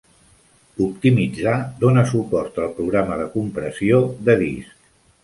Optimitzar dona suport al programa de compressió de disc.